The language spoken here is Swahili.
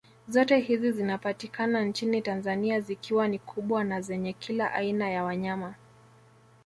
Zote hizi zinapatika nchini Tanzania zikiwa ni kubwa na zenye kila aina ya wanyama